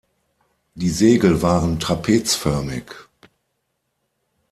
Die Segel waren trapezförmig.